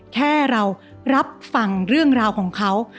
แค่เรารับฟังเรื่องราวของเขา